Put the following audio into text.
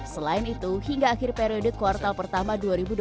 selain itu hingga akhir periode kuartal pertama dua ribu dua puluh tiga